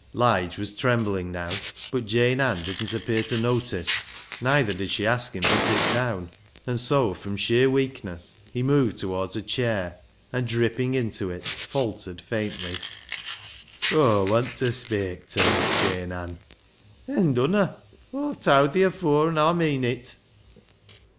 Lige was trembling now, but Jane Ann didn't appear to notice. Neither did she ask him to sit down, and so from sheer weakness he moved towards a chair, and dropping into it, faltered faintly —" Aw want ta speik ta thi, Jane Ann." " Then dunna ! Aw've towd thi afoor, an' Aw meean it."